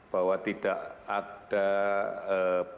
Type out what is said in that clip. bahwa tidak ada yang bisa diperlukan